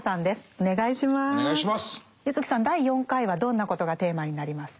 柚木さん第４回はどんなことがテーマになりますか？